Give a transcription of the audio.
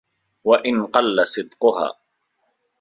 وَإِنْ قَلَّ صِدْقُهَا